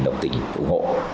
đồng tình ủng hộ